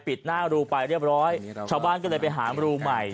ปิดหน้ารูไปเรียบร้อยชาวบ้านก็เลยไปหารูใหม่